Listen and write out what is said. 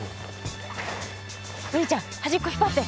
お兄ちゃん端っこ引っ張って。